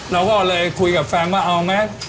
เราก็เลยคุยกับแฟนว่าเอาไหม